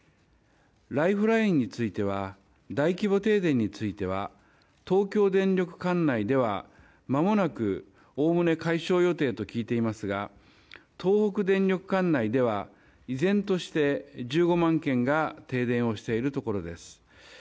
ライフラインについては大規模停電については東京電力管内ではまもなくおおむね解消予定と聞いていますが東北電力管内では依然として１５万軒が停電をしているところです。